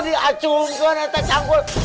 aduh diacungkan kakek canggul